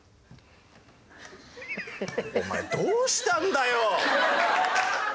お前どうしたんだよ！